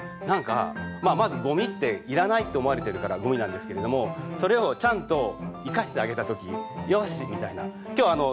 何かまずゴミっていらないと思われてるからゴミなんですけれどもそれをちゃんと生かしてあげた時。よし！